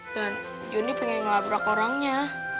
dan joni pengen ngelabrak orangnya